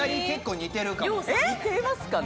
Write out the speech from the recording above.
似てますかね？